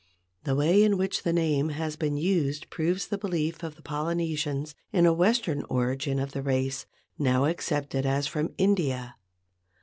The way in which the name has been used proves the belief of the Polynesians in a western origin of the race now accepted as from India.